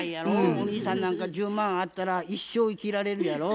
お兄さんなんか１０万あったら一生生きられるやろ？